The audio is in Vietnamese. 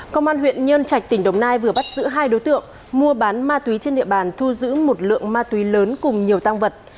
công an huyện nhân trạch tỉnh đồng nai vừa bắt giữ hai đối tượng mua bán ma túy trên địa bàn thu giữ một lượng ma túy lớn cùng nhiều tăng vật